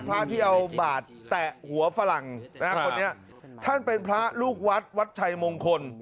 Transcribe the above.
ท่านเป็นพระที่เอาบาดแตะหัวฝรั่งนะครับท่านเป็นพระลูกวัดวัดชัยมงคล